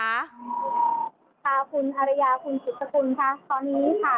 คุณฮรยาคุณสุทธกุลค่ะ